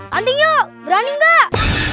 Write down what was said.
tanting yuk berani gak